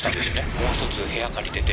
もう１つ部屋借りてて。